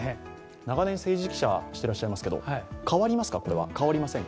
長年、政治記者をしてらっしゃいますが、これは変わりますか？